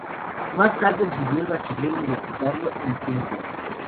Más tarde recibió el "Bachiller universitario en ciencias.